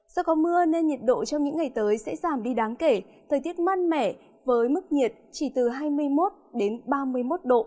do có mưa nên nhiệt độ trong những ngày tới sẽ giảm đi đáng kể thời tiết mát mẻ với mức nhiệt chỉ từ hai mươi một ba mươi một độ